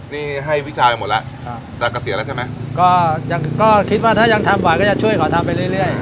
นี่ให้วิชาไปหมดแล้วครับแต่ก็เสียแล้วใช่ไหมก็ยังก็คิดว่าถ้ายังทำหวานก็จะช่วยเขาทำไปเรื่อยเรื่อย